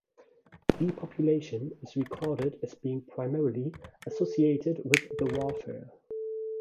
Depopulation is recorded as being primarily associated with the warfare.